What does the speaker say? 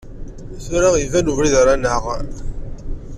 Tura iban ubrid ara naɣ.